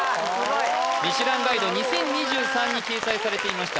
「ミシュランガイド２０２３」に掲載されていました